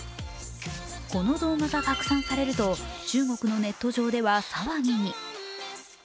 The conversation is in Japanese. この動画が拡散されると中国のネット上では騒ぎに。